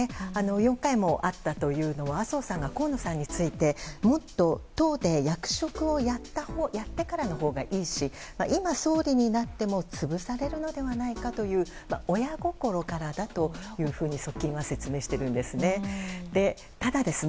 ４回も会ったというのは麻生さんが河野さんについてもっと党で役職をやってからのほうがいいし今、総理になっても潰されるのではないかという親心からだというふうに側近は説明しているんですね。